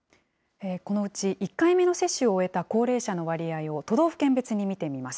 このうち、１回目の接種を終えた高齢者の割合を都道府県別に見てみます。